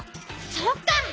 そっか。